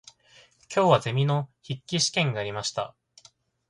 今日はゼミの筆記試験がありました。